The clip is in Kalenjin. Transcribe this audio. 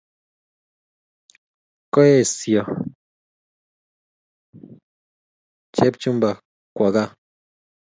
Koesyo Chepchumba kwo kaa.